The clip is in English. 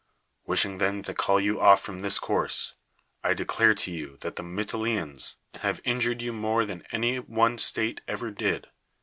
Wishing then to call you off from this course, I declare to you that the ]\lytilenoans have in jured you more than any one state ever did.